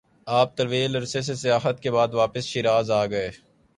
آپ طویل عرصہ سے سیاحت کے بعدواپس شیراز آگئے-